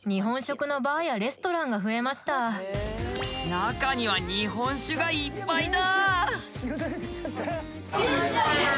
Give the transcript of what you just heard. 中には日本酒がいっぱいだ。